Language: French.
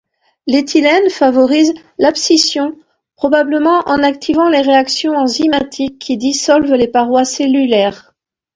L'éthylène favorise l'abscission, probablement en activant les réactions enzymatiques qui dissolvent les parois cellulaires.